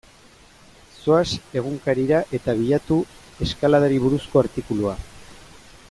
Zoaz egunkarira eta bilatu eskaladari buruzko artikulua.